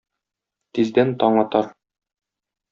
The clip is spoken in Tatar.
Тиздән таң атар.